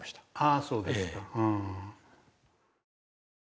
ああそうですか。